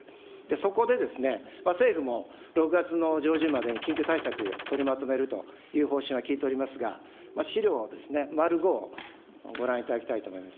そこで、政府も６月の上旬までに緊急対策取りまとめるという方針は聞いておりますが、資料、丸５をご覧いただきたいと思います。